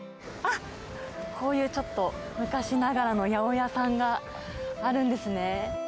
こういうちょっと、昔ながらの八百屋さんがあるんですね。